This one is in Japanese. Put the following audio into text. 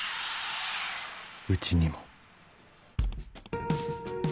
［うちにも。］